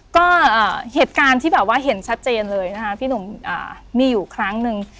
ก็เหตุการณ์ที่แบบว่าเห็นชัดเจนเลยนะคะพี่หนุ่มมีอยู่ครั้งหนึ่ง